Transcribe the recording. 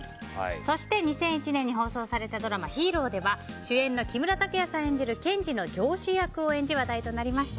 そして、２００１年に放送されたドラマ「ＨＥＲＯ」では主演の木村拓哉さん演じる上司の検事役を演じ話題となりました。